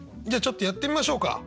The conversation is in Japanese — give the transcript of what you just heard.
じゃあちょっとやってみましょうか。